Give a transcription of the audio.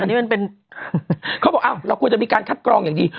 อันนี้มันเป็นเขาบอกอ้าวเราควรจะมีการคัดกรองอย่างดี